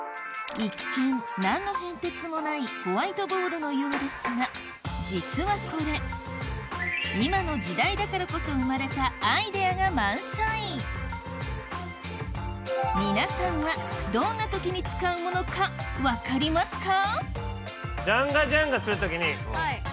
一見何の変哲もないホワイトボードのようですが実はこれ今の時代だからこそ生まれたアイデアが満載皆さんはどんなときに使うものか分かりますか？